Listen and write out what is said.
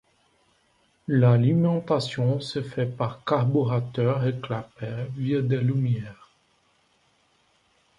L'alimentation se fait par carburateur et clapets via des lumières.